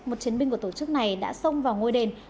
một chiến binh của tổ chức này đã xông vào ngôi đền